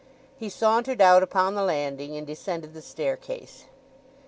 He sauntered out upon the landing, and descended the staircase.